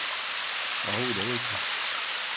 А ову девојку?